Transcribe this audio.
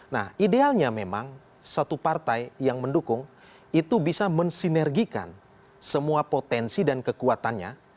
nah idealnya memang satu partai yang mendukung itu bisa mensinergikan semua potensi dan kekuatannya